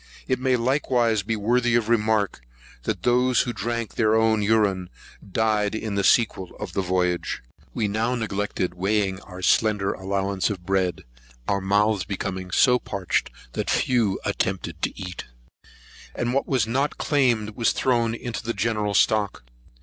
It may likewise be worthy of remark, that those who drank their own urine died in the sequel of the voyage. We now neglected weighing our slender allowance of bread, our mouths becoming so parched, that few attempted to eat; and what was not claimed was thrown into the general stock.